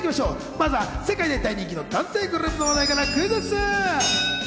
まずは世界で大人気の男性グループの話題からクイズッス！